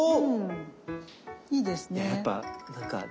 うんいいですね。